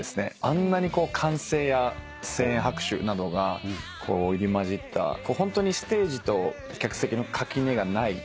あんなに歓声や声援拍手などが入り交じったホントにステージと客席の垣根がないミュージカルでした。